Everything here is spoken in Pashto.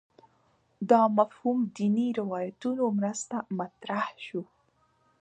دا مفهوم دیني روایتونو مرسته مطرح شو